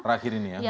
terakhir ini ya